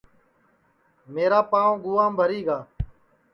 میرا پانٚو گُام بھری گا